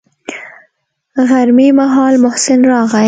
غرمې مهال محسن راغى.